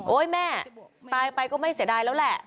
แม่ตายไปก็ไม่เสียดายแล้วแหละ